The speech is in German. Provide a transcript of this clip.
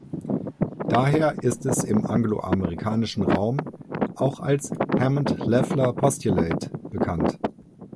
Daher ist es im angloamerikanischen Raum auch als „Hammond-Leffler postulate“ bekannt.